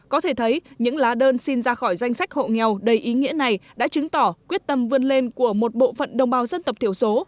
có thể thấy những lá đơn xin ra khỏi danh sách hộ nghèo đầy ý nghĩa này đã chứng tỏ quyết tâm vươn lên của một bộ phận đồng bào dân tộc thiểu số